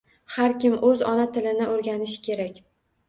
Har kim oʻz ona tilini oʻrganishi kerak